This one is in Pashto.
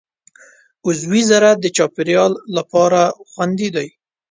عضوي زراعت د چاپېریال لپاره خوندي دی.